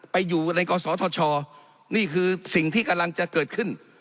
ไปอยู่ในกศธชนี่คือสิ่งที่กำลังจะเกิดขึ้น